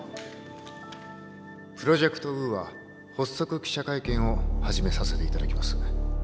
プロジェクト・ウーア発足記者会見を始めさせていただきます。